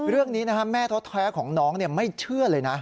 เรื่องนี้แม่แท้ของน้องไม่เชื่อเลยนะ